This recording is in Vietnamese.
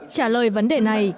trả lời vấn đề này